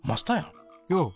よう！